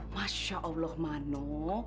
masya allah mano